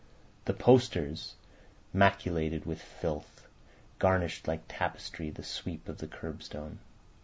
The posters, maculated with filth, garnished like tapestry the sweep of the curbstone.